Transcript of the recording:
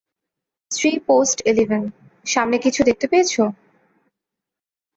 Three post eleven, সামনে কিছু দেখতে পেয়েছো?